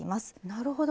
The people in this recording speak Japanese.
なるほど。